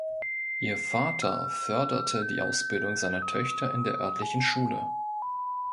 Ihr Vater förderte die Ausbildung seiner Töchter in der örtlichen Schule.